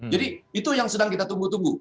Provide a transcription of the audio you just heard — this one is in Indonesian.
jadi itu yang sedang kita tunggu tunggu